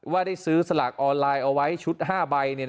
ว่าได้ซื้อสลากออนไลน์เอาไว้ชุด๕ใบ